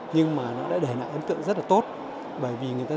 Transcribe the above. nhưng mà nó đã để lại ấn tượng rất là tốt bởi vì người ta